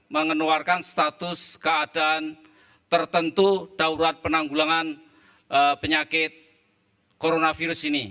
mengeluarkan status keadaan tertentu daurat penanggulangan penyakit coronavirus ini